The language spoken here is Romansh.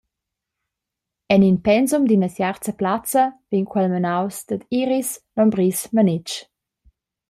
En in pensum d’ina tiarza plazza vegn quel menaus dad Iris Lombris-Manetsch.